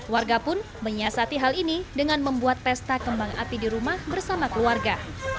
warga pun menyiasati hal ini dengan membuat pesta kembang api di rumah bersama keluarga